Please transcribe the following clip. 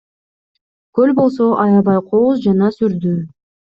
Көл болсо аябай кооз жана сүрдүү.